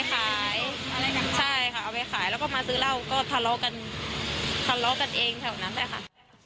ขายอะไรแบบนี้ใช่ค่ะเอาไปขายแล้วก็มาซื้อเหล้าก็ทะเลาะกันทะเลาะกันเองแถวนั้นแหละค่ะ